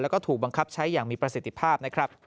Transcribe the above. และถูกบังคับใช้อย่างมีประสิทธิภาพ